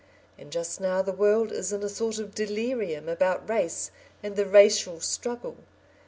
And just now, the world is in a sort of delirium about race and the racial struggle.